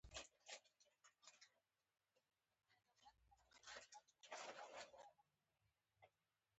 کتاب ولولئ او لنډيز یې له نورو سره شريک کړئ.